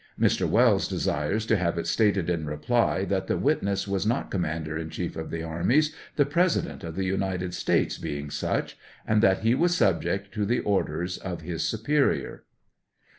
] [Mr. Wells desires to have it stated in reply, that the witness was not Commander in Chief of the armies, the President of the United States being such, and that he was Hubject to the orders of his superior.